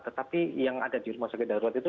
tetapi yang ada di rumah sakit darurat itu